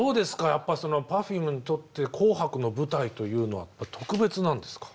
やっぱそのＰｅｒｆｕｍｅにとって「紅白」の舞台というのは特別なんですか？